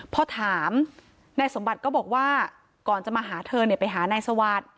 พอถามนายสมบัติก็บอกว่าก่อนจะมาหาเธอเนี่ยไปหานายสวัสดิ์